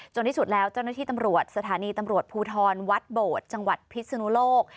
ที่สุดแล้วเจ้าหน้าที่ตำรวจสถานีตำรวจภูทรวัดโบดจังหวัดพิศนุโลก